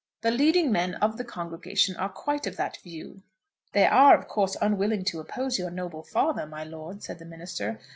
The leading men of the congregation are quite of that view." "They are of course unwilling to oppose your noble father, my lord," said the minister.